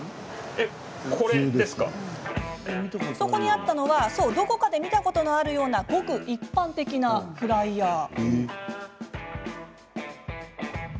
そこにあったのはどこかで見たことのあるようなごく一般的なフライヤー。